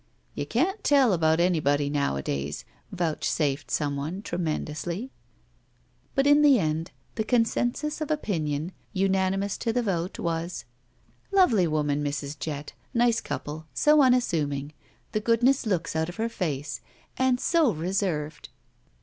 "You can't tell about anybody nowadays," vouchsafed some one, tremendously. But in the end the consensus of opinion, unani mous to the vote, was: Lovely woman, Mrs. Jett. i8s H GUILTY Nice couple; so unasstiming. The goodness looks out of her face; and so reserved!